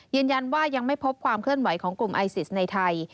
ยังไม่พบความเคลื่อนไหวของกลุ่มไอซิสในไทย